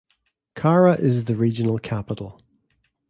Kara is the regional capital.